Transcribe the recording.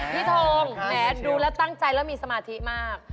ทองแหมดูแล้วตั้งใจแล้วมีสมาธิมาก